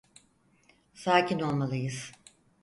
Sakin olmalıyız.